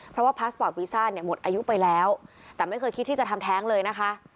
เพราะว่าพาสปอร์ตวีซ่าเนี่ยหมดอายุไปแล้วแต่ไม่เคยคิดที่จะทำแท้งเลยนะคะ